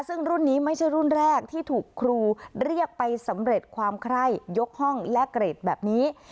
ซึ่งรุ่นนี้ไม่ใช่รุ่นแรกที่ถูกครูเรียกไปสำเร็จความไคร่ยกห้องและเกรดแบบนี้